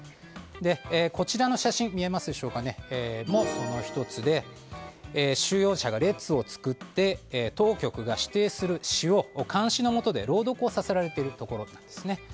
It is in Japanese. こちらの写真もその１つで収容者が列を作って当局が指定する詩を監視のもとで朗読をさせられているところですね。